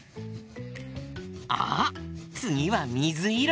あっつぎはみずいろ！